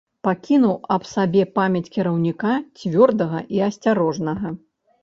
Пакінуў аб сабе памяць кіраўніка цвёрдага і асцярожнага.